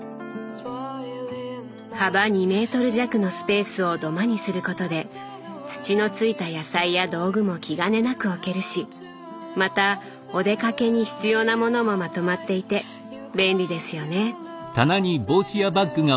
幅２メートル弱のスペースを土間にすることで土のついた野菜や道具も気兼ねなく置けるしまたお出かけに必要なものもまとまっていて便利ですよね。